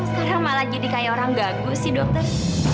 sekarang malah jadi kayak orang gagus sih dokter